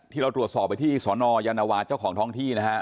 ที่เราตรวจสอบไปที่สยเจ้าของท่องที่